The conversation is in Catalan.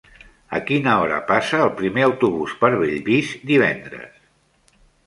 A quina hora passa el primer autobús per Bellvís divendres?